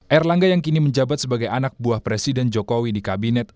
erlangga yang kini menjabat sebagai anak buah presiden jokowi di kabinet